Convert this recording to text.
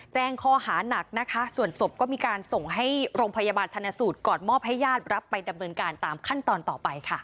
แจ้งข้อหานักนะคะส่วนศพก็มีการส่งให้โรงพยาบาลชนสูตรก่อนมอบให้ญาติรับไปดำเนินการตามขั้นตอนต่อไปค่ะ